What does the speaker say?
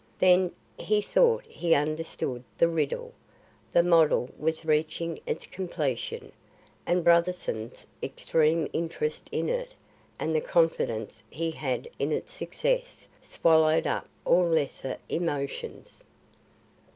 Then, he thought he understood the riddle. The model was reaching its completion, and Brotherson's extreme interest in it and the confidence he had in its success swallowed up all lesser emotions.